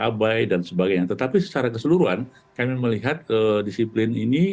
abai dan sebagainya tetapi secara keseluruhan kami melihat disiplin ini